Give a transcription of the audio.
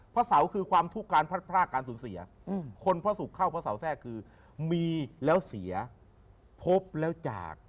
พระเสาคือความทุกข์การพัดพรากการสูญเสียคนพระศุกร์เข้าพระเสาแทรกคือมีแล้วเสียพบแล้วจาก